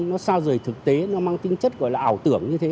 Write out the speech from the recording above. nó xa rời thực tế nó mang tinh chất gọi là ảo tưởng như thế